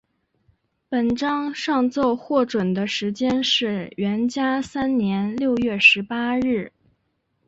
本章上奏获准的时间是元嘉三年六月十八日。